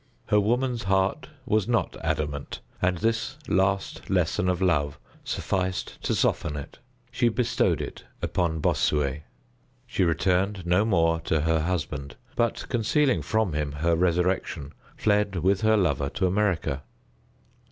Her woman's heart was not adamant, and this last lesson of love sufficed to soften it. She bestowed it upon Bossuet. She returned no more to her husband, but, concealing from him her resurrection, fled with her lover to America.